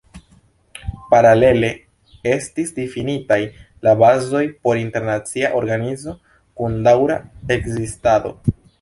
Paralele estis difinitaj la bazoj por internacia organizo, kun daŭra ekzistado.